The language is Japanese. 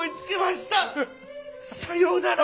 さようなら」。